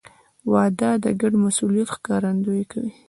• واده د ګډ مسؤلیت ښکارندویي کوي.